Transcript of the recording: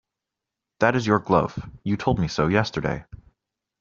That is your glove; you told me so yesterday.